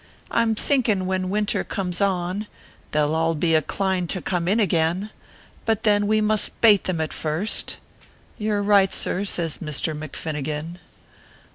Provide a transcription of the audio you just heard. I m thiukin , when winter comes on They ll all bo inclined to come in again ; But then we must bate them at first " "You re right, sir," says Misther McFinnigan.